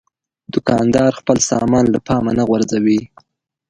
دوکاندار خپل سامان له پامه نه غورځوي.